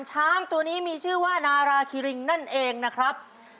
ช้างตัวนี้มีชื่อว่านาราคิริงนั่นเองนะครับ